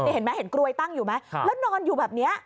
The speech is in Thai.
เห็นไหมเห็นกลวยตั้งอยู่ไหมแล้วนอนอยู่แบบนี้